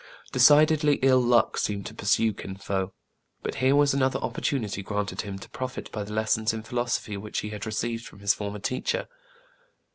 Decidedly ill luck seemed to pursue Kin Fo. But here was another opportunity granted him to profit by the lessons in philosophy which he had received from his former teacher.